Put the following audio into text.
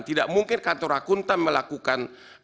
tidak mungkin kantor akuntan melakukan